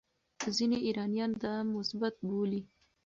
ځینې ایرانیان دا مثبت بولي.